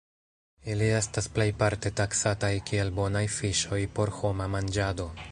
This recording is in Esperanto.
Ili estas plejparte taksataj kiel bonaj fiŝoj por homa manĝado.